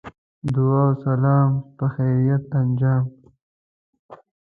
دعا و سلام بخیریت انجام.